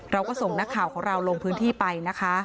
เราก็ส่งนักข่าวของเราลงพื้นที่ไปนะคะ